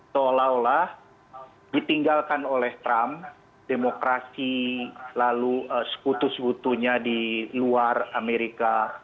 seolah olah ditinggalkan oleh trump demokrasi lalu sekutu sekutunya di luar amerika